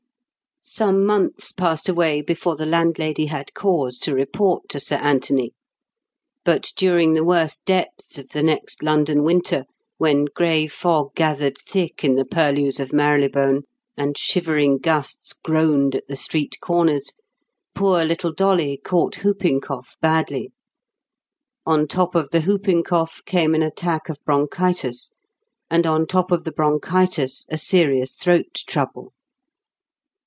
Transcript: Some months passed away before the landlady had cause to report to Sir Anthony. But during the worst depths of the next London winter, when grey fog gathered thick in the purlieus of Marylebone, and shivering gusts groaned at the street corners, poor little Dolly caught whooping cough badly. On top of the whooping cough came an attack of bronchitis; and on top of the bronchitis a serious throat trouble.